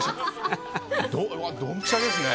どんぴしゃですね。